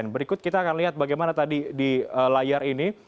berikut kita akan lihat bagaimana tadi di layar ini